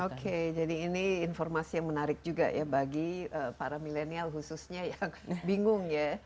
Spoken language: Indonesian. oke jadi ini informasi yang menarik juga ya bagi para milenial khususnya yang bingung ya